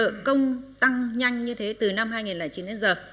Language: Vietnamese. nợ công tăng nhanh như thế từ năm hai nghìn chín đến giờ